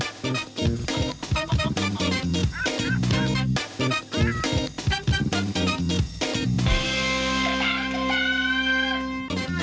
แปปมันอยู่แล้ว